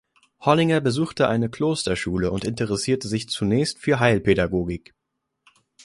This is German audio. Hollinger besuchte eine Klosterschule und interessierte sich zunächst für Heilpädagogik.